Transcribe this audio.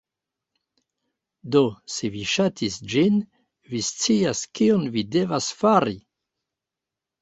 Do se vi ŝatis ĝin, vi scias kion vi devas fari